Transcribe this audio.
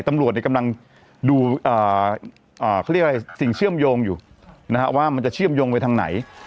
ตำรวจกำลังดูเขาเรียกอะไรสิ่งเชื่อมโยงอยู่ว่ามันจะเชื่อมโยงไปทางไหน